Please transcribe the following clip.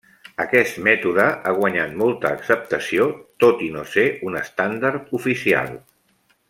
Aquest mètode ha guanyat molta acceptació, tot i no ser un estàndard oficial.